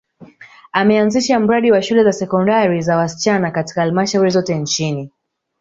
ameanzisha mradi wa shule za sekondari za wasichana katika halmashauri zote nchini